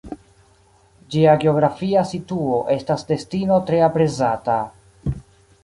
Ĝia geografia situo estas destino tre aprezata.